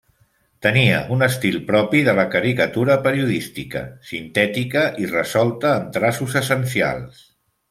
Tenia un estil propi de la caricatura periodística, sintètica i resolta amb traços essencials.